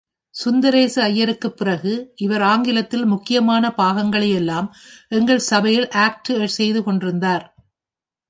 சுந்தரேச ஐயருக்குப் பிறகு இவர் ஆங்கிலத்தில் முக்கியமான பாகங்களை யெல்லாம் எங்கள் சபையில் ஆக்டு செய்து கொண்டிருந்தார்.